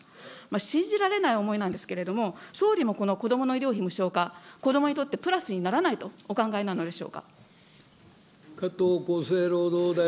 信じられない思いなんですけれども、総理もこの子どもの医療費無償化、子どもにとってプラスにな加藤厚生労働大臣。